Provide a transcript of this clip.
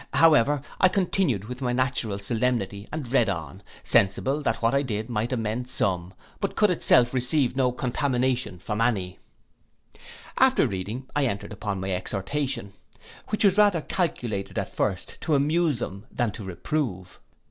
However, I continued with my natural solemnity to read on, sensible that what I did might amend some, but could itself receive no contamination from any. After reading, I entered upon my exhortation, which was rather calculated at first to amuse them than to reprove.